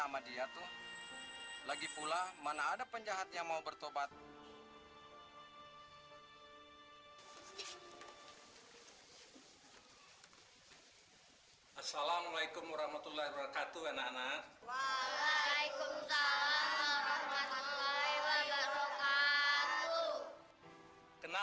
sampai jumpa di video selanjutnya